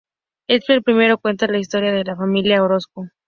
En el primero, cuenta la historia de la familia Orozco.